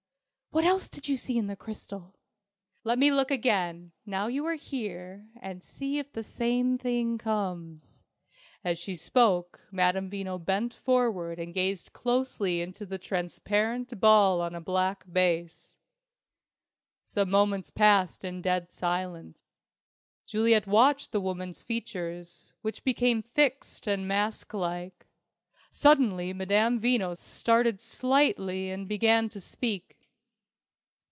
"What else did you see in the crystal?" "Let me look again, now you are here, and see if the same thing comes." As she spoke, Madame Veno bent forward and gazed closely into the transparent ball on a black base. Some moments passed in dead silence. Juliet watched the woman's features, which became fixed and masklike. Suddenly Madame Veno started slightly and began to speak.